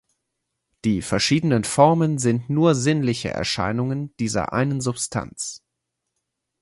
Die verschiedenen Formen sind nur sinnliche Erscheinungen dieser einen Substanz.